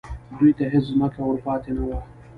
دوی ته هېڅ ځمکه ور پاتې نه وه